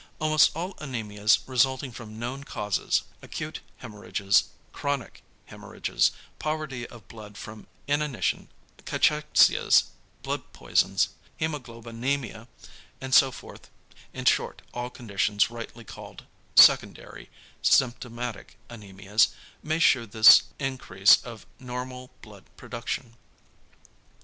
Almost all anæmias resulting from known causes: acute hæmorrhages, chronic hæmorrhages, poverty of blood from inanition, cachexias, blood poisons, hæmaglobinæmia and so forth, in short all conditions rightly called, secondary, symptomatic anæmias, may shew this increase of normal blood production.